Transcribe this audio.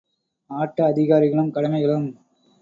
ஆட்ட அதிகாரிகளும், கடமைகளும் ….